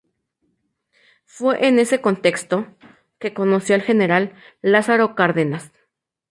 Fue en ese contexto, que conoció al general Lázaro Cárdenas.